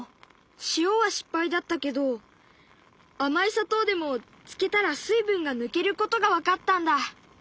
塩は失敗だったけど甘い砂糖でもつけたら水分が抜けることが分かったんだ。